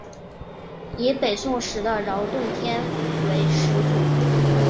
以北宋时的饶洞天为始祖。